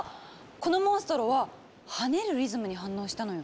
このモンストロは「跳ねるリズム」に反応したのよ。